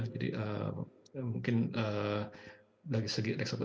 jadi mungkin dari segi eksperimen